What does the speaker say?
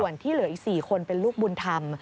เดี๋ยวอีก๔คนเป็นลูกบุญธรรม